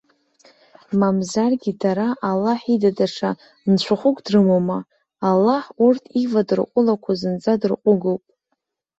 Мамзаргьы дара, Аллаҳ ида даҽа нцәахәык дрымоума? Аллаҳ, урҭ ивадырҟәылақәо зынӡа дырҟәыгоуп.